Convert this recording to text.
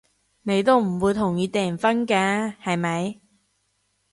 你都唔會同意訂婚㗎，係咪？